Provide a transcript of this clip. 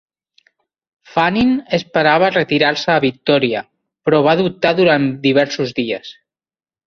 Fannin esperava retirar-se a Victòria, però va dubtar durant diversos dies.